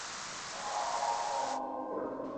বিষয়টা আমি দেখব।